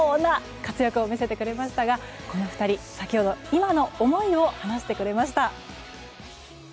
活躍を見せてくれましたがこの２人先ほど、今の思いを話してくれました。